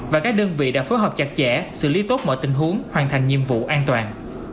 và các đơn vị đã phối hợp chặt chẽ xử lý tốt mọi tình huống hoàn thành nhiệm vụ an toàn